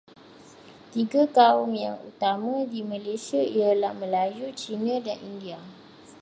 Tiga kaum yang utama di Malaysia ialah Melayu, Cina dan India.